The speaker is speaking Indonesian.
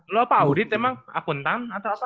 lu apa audit emang akuntan atau apa